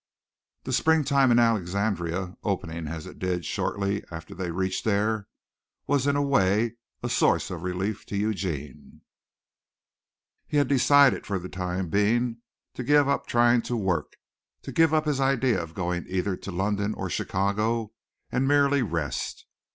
The spring time in Alexandria, opening as it did shortly after they reached there, was in a way a source of relief to Eugene. He had decided for the time being to give up trying to work, to give up his idea of going either to London or Chicago, and merely rest.